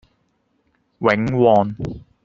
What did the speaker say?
永旺